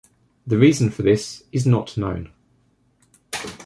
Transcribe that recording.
The reason for this is not known.